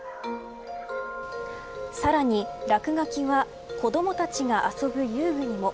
さらに、落書きは子どもたちが遊ぶ遊具にも。